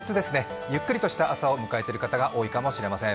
今日は祝日ですねゆっくりとした朝を迎えている方も多いかもしれません。